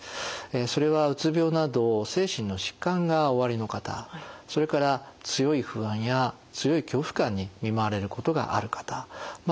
それはうつ病など精神の疾患がおありの方それから強い不安や強い恐怖感に見舞われることがある方まあ